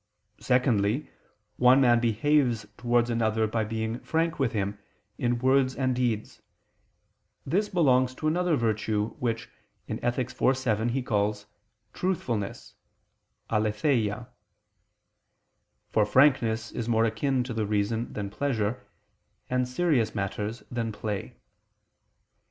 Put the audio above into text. Secondly, one man behaves towards another by being frank with him, in words and deeds: this belongs to another virtue which (Ethic. iv, 7) he calls "truthfulness" [*_aletheia_]. For frankness is more akin to the reason than pleasure, and serious matters than play.